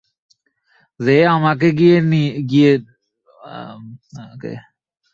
যে আমাকে নিয়ে গিয়েছিল।